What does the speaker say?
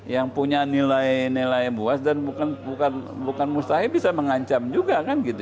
yang punya nilai nilai buas dan bukan mustahil bisa mengancam juga